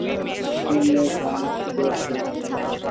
তোমার মেয়েকে আমার শুভেচ্ছা জানিয়ো!